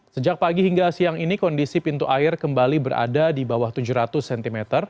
sejak pagi hingga siang ini kondisi pintu air kembali berada di bawah tujuh ratus cm